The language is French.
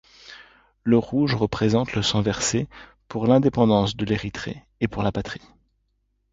Le rouge représente le sang versé pour l'indépendance de l'Érythrée et pour la patrie.